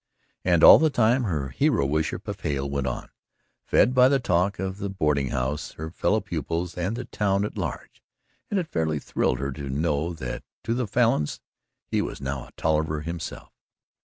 And all the time her hero worship of Hale went on, fed by the talk of the boardinghouse, her fellow pupils and of the town at large and it fairly thrilled her to know that to the Falins he was now a Tolliver himself.